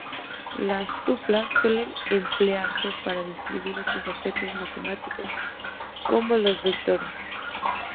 Las tuplas suelen emplearse para describir otros objetos matemáticos, como los vectores.